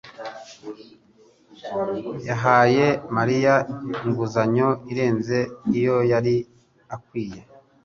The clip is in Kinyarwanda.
yahaye Mariya inguzanyo irenze iyo yari akwiye.